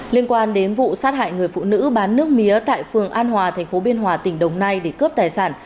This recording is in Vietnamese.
liên quan đến vụ sát hại người phụ nữ bán nước mía tại phường an hòa thành phố biên hòa tỉnh đồng nai để cướp tài sản